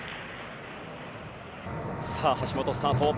さぁ、橋本スタート。